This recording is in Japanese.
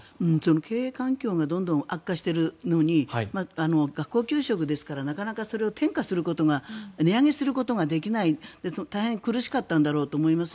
経営環境がどんどん悪化しているのに学校給食ですからなかなか転嫁することが値上げすることができない大変苦しかったんだろうと思います。